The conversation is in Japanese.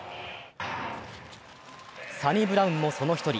サニブラウンも、その一人。